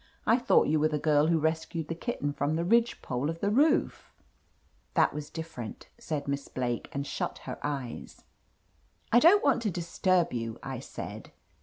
I thought you were the girl wfio rescued the kitten from the ridge pole of the roof !" "That was different," said Miss Blake, and shut her eyes. "I don't want to disturb you," I said.